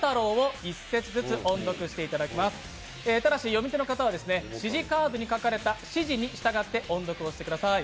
読み手の方は、指示カードに書かれた、指示に従って音読をしてください。